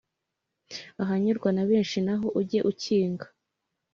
ahanyurwa na benshi, naho ujye ukinga.